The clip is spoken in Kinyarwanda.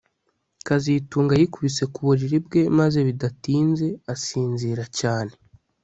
kazitunga yikubise ku buriri bwe maze bidatinze asinzira cyane